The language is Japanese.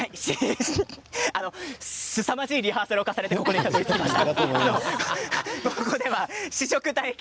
すさまじいリハーサルを重ねてここにたどりつきました。